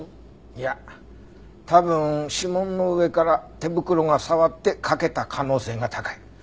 いや多分指紋の上から手袋が触って欠けた可能性が高い。